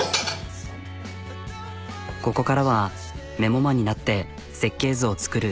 ここからはメモ魔になって設計図を作る。